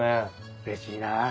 うれしいなあ。